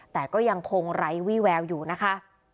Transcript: แต่ก็ยังคงไร้วี่แววอยู่นะคะ